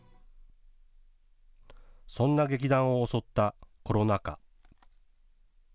そんな劇団を襲ったコロナ禍。